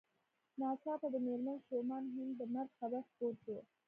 ناڅاپه د مېرمن شومان هينک د مرګ خبر خپور شو